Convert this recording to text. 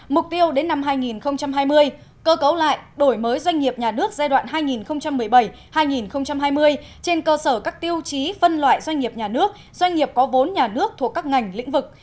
mục tiêu đến năm hai nghìn hai mươi cơ cấu lại đổi mới doanh nghiệp nhà nước giai đoạn hai nghìn một mươi bảy hai nghìn hai mươi trên cơ sở các tiêu chí phân loại doanh nghiệp nhà nước doanh nghiệp có vốn nhà nước thuộc các ngành lĩnh vực